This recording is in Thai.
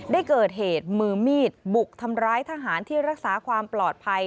ได้เกิดเหตุมือมีดบุกทำร้ายทหารที่รักษาความปลอดภัย